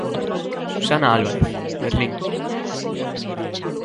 Susana Álvarez, Berlín.